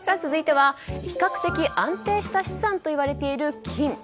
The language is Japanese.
続いては、比較的安定した資産と言われている金。